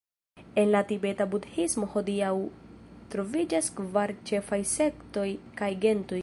En la tibeta budhismo hodiaŭ troviĝas kvar ĉefaj sektoj kaj gentoj.